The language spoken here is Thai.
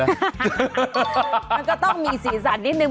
มันก็ต้องมีสีสันนิดนึ